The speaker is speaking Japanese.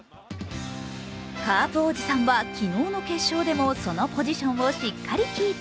カープおじさんは昨日の決勝でもそのポジションをしっかりキープ。